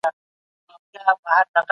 ذکر سوی حکم قطعي دی.